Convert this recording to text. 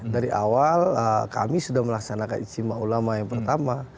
dari awal kami sudah melaksanakan ijtima ulama yang pertama